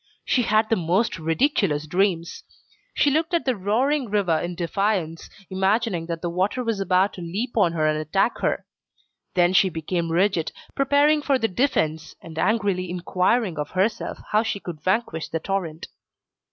She had the most ridiculous dreams; she looked at the roaring river in defiance, imagining that the water was about to leap on her and attack her. Then she became rigid, preparing for the defence, and angrily inquiring of herself how she could vanquish the torrent.